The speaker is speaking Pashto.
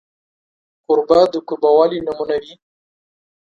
کوربه د کوربهوالي نمونه وي.